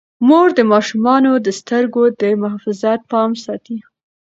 مور د ماشومانو د سترګو د محافظت پام ساتي.